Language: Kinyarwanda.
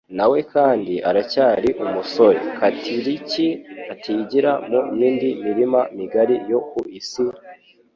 Na we kandi aracyari umusore. Ktlki atigira mu yindi mirima migari yo ku isi,